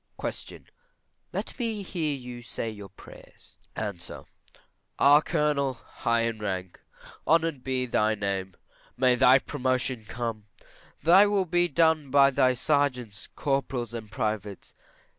Q. Let me hear you say your prayers. A. Our Colonel, high in rank, honoured be thy name; may thy promotion come; thy will be done by thy sergeants, corporals, and privates.